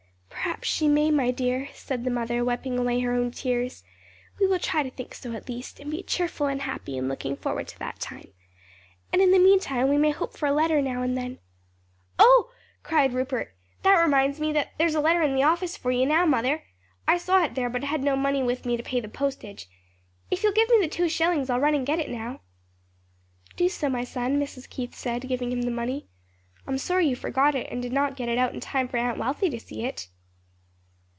"Perhaps she may, dear," said the mother, wiping away her own tears, "we will try to think so at least, and be cheerful and happy in looking forward to that time. And in the meanwhile we may hope for a letter now and then." "Oh," cried Rupert, "that reminds me that there's a letter in the office for you now, mother! I saw it there, but had no money with me to pay the postage. If you'll give me the two shillings, I'll run and get it now." "Do so, my son," Mrs. Keith said, giving him the money. "I'm sorry you forgot it and did not get it out in time for Aunt Wealthy to see it."